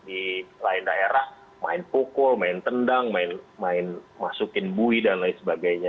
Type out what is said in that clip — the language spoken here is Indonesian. di lain daerah main pukul main tendang main masukin bui dan lain sebagainya